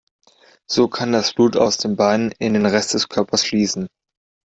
So kann das Blut aus den Beinen in den Rest des Körpers fließen.